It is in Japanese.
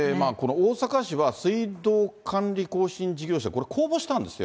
大阪市は水道管理更新事業者、これ、公募したんですよ。